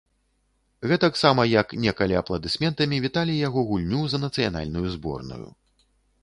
Гэтаксама, як некалі апладысментамі віталі яго гульню за нацыянальную зборную.